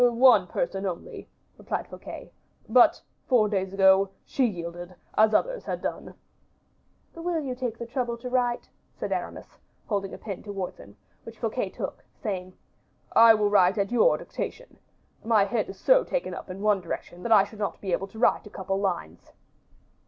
"One person only," replied Fouquet. "But, four days ago, she yielded, as the others had done." "Will you take the trouble to write?" said Aramis, holding a pen towards him, which Fouquet took, saying: "I will write at your dictation. My head is so taken up in another direction, that I should not be able to write a couple lines."